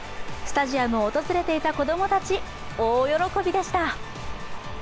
スタジアムを訪れていた子供たち、大喜びでした。